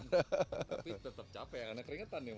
tapi tetap capek karena keringetan ya